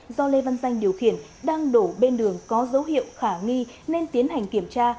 hai mươi hai nghìn một trăm linh sáu do lê văn danh điều khiển đang đổ bên đường có dấu hiệu khả nghi nên tiến hành kiểm tra